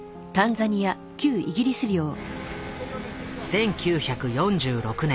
１９４６年。